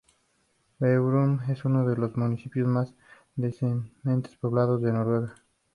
Bærum es uno de los municipios más densamente poblados de Noruega.